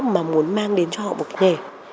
mà muốn mang đến cho họ một nghề